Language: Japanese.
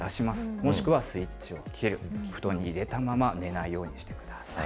もしくはスイッチを切る、布団に入れたまま寝ないようにしてください。